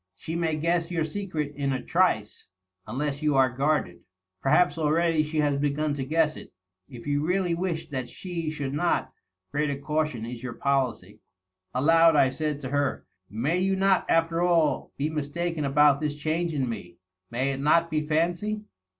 ' She may guess your secret in a trice, unless you are guarded. Per haps already she has b^un to guess it. If you really wish that she should not, greater caution is your policy.' Aloud I said to her, " May you not, after all, be mistaken about this change in me ? May it not be fancy